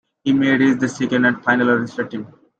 He made his second and final All-Star team.